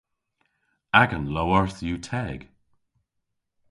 Agan lowarth yw teg.